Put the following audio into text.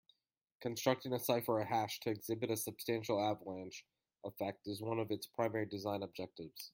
Constructing a cipher or hash to exhibit a substantial avalanche effect is one of its primary design objectives.